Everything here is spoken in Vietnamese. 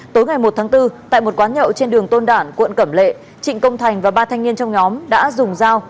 tối ngày một tháng bốn tại một quán nhậu trên đường tôn đản quận cẩm lệ trịnh công thành và ba thanh niên trong nhóm đã dùng dao